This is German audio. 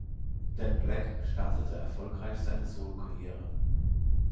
Dan Black startete erfolgreich seine Solo-Karriere.